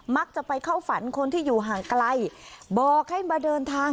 ไปเข้าฝันคนที่อยู่ห่างไกลบอกให้มาเดินทาง